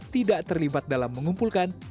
tidak terlibat dalam mengumpulkan